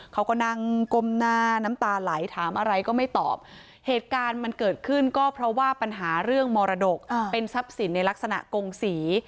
เขาก็นั่งก้มหน้าน้ำตาไหลถามอะไรก็ไม่ตอบเหตุการณ์มันเกิดขึ้นก็เพราะว่าปัญหาเรื่องมรดกเป็นทรัพย์สินในลักษณะกงศรี